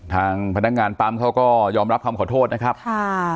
ทางพนักงานปั๊มเขาก็ยอมรับคำขอโทษนะครับค่ะ